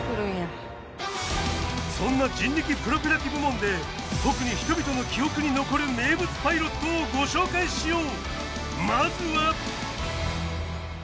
そんな人力プロペラ機部門で特に人々の記憶に残る名物パイロットをご紹介しよう！